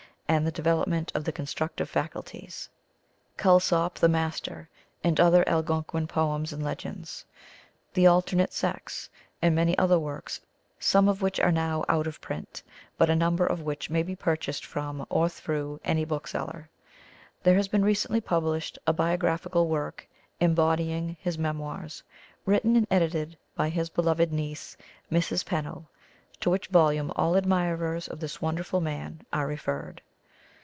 and the Development of the Constructive Faculties; "Kulsop the Master, and other Algonquin Poems and Legends," "The Alternate Sex," and many other works, some of which are now out of print, but a number of which may be purchased from, or through, any bookseller. There has been recently published a biographical work embodying his memoirs, written and edited by his beloved niece, Mrs. Pennell, to which volume all admirers of this wonderful man are referred.